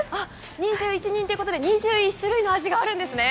２１人ということで２１種類の味があるんですね。